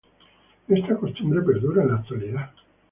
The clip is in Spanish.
Esta costumbre perdura en la actualidad.